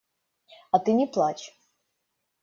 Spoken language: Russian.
А ты не плачь.